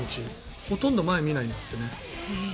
ほとんど前を見ないんだってね。